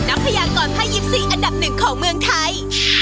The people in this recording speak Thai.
นักพยาอย่างก่อนพ่ายิปซีอันดับหนึ่งของเมืองไทย